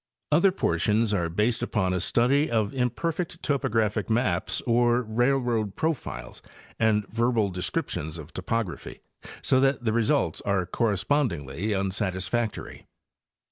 Other portions are based upon a study of imperfect topographic maps or railroad profiles and verbal descriptions of topography, so that the results are corre spondingly unsatisfactory.